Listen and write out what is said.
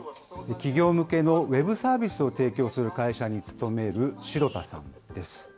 企業向けのウェブサービスを提供する会社に勤める城田さんです。